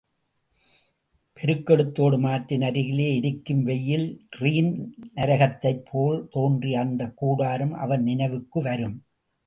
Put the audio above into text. பெருக்கெடுத்தோடும் ஆற்றின் அருகிலே எரிக்கும் வெயில் ரேன் நரகத்தைப்போல் தோன்றிய் அந்தக் கூடாரம் அவன் நினைவுக்கு வரும்.